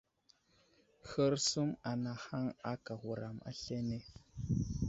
Hərsum anahaŋ aka wuram aslane.